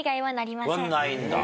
ないんだ。